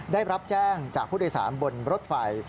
ได้รับแจ้งจากผู้โดยสารบนรถไฟ